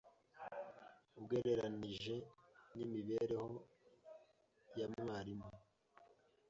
ugereranije n’imibereho ya mwalimu